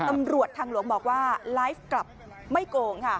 ตำรวจทางหลวงบอกว่าไลฟ์กลับไม่โกงค่ะ